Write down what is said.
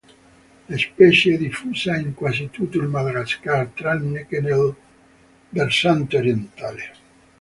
La specie è diffusa in quasi tutto il Madagascar, tranne che nel versante orientale.